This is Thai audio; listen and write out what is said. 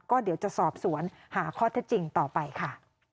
ก็เดี๋ยวจะสอบสวนหาข้อเท็จจริงต่อไปค่ะ